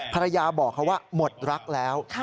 ภรรยาบอกเขาว่าหมดรักแล้ว